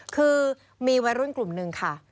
คือมีวัยรุ่นกลุ่มนึงค่ะ